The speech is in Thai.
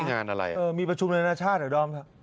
มีงานอะไรมีประชุมรัฐชาติเหรอดอมครับ